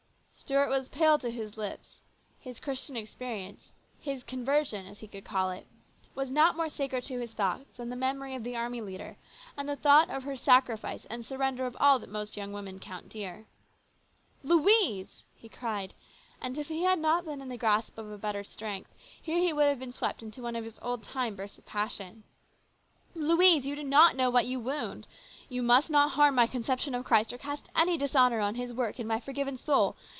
Stuart was pale to his lips. His Christian experience, his " conversion," as he could call it, was not more sacred to his thoughts than the memory of the army leader and the thought of her sacrifice and surrender of all that most young women count dear. " Louise !" he cried, and if he had not been in the grasp of a better strength, here he would have been swept into one of his old time bursts of passion, " Louise ! You do not know what you wound. You must not harm my conception of Christ, or cast any dishonour on His work in my forgiven soul